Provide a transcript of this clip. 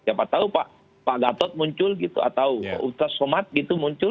siapa tahu pak gatot muncul gitu atau ustaz somad gitu muncul